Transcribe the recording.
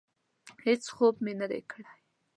هېڅ خوب مې نه دی کړی.